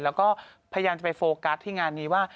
แล้วก็พยายามจะไปโฟกัสที่งานนี้ว่า